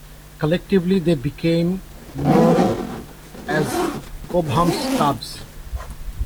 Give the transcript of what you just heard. Collectively they became known as Cobham's Cubs.